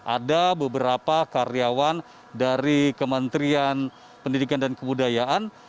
ada beberapa karyawan dari kementerian pendidikan dan kebudayaan